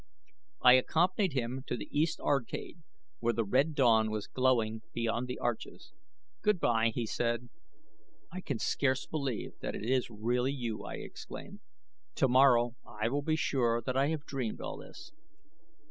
I accompanied him to the east arcade where the red dawn was glowing beyond the arches. "Good bye!" he said. "I can scarce believe that it is really you," I exclaimed. "Tomorrow I will be sure that I have dreamed all this."